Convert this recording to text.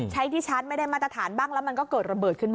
ที่ชัดไม่ได้มาตรฐานบ้างแล้วมันก็เกิดระเบิดขึ้นมา